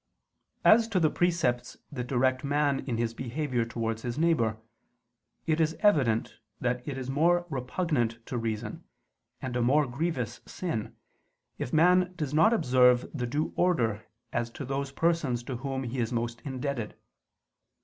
As to the precepts that direct man in his behavior towards his neighbor, it is evident that it is more repugnant to reason, and a more grievous sin, if man does not observe the due order as to those persons to whom he is most indebted.